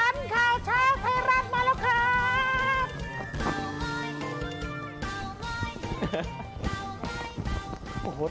ข่าวเช้าไทยรัฐมาแล้วครับ